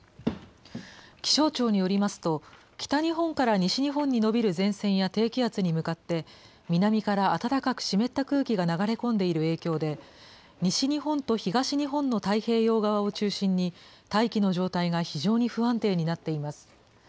気象庁によりますと、北日本から西日本の延びる前線や低気圧に向かって、南から暖かく湿った空気が流れ込んでいる影響で、西日本と東日本の太平洋側を中心に、大気の状態が非常に不安定になっています。